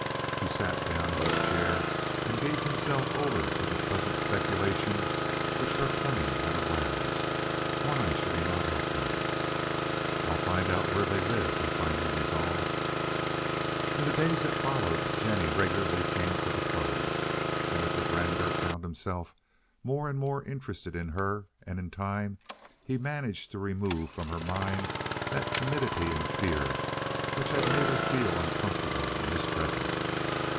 He sat down in his chair and gave himself over to the pleasant speculations which her coming had aroused. Why should he not help them? "I'll find out where they live," he finally resolved. In the days that followed Jennie regularly came for the clothes. Senator Brander found himself more and more interested in her, and in time he managed to remove from her mind that timidity and fear which had made her feel uncomfortable in his presence.